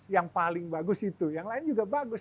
yang paling bagus itu yang lain juga bagus